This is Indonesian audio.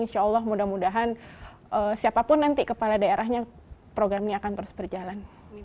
insya allah mudah mudahan siapapun nanti kepala daerahnya program ini akan terus berjalan